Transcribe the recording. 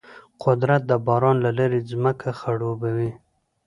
قدرت د باران له لارې ځمکه خړوبوي.